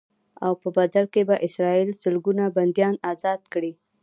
او په بدل کې به اسرائیل سلګونه بنديان ازاد کړي.